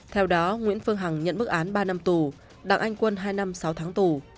theo đó nguyễn phương hằng nhận bức án ba năm tù đảng anh quân hai năm sáu tháng tù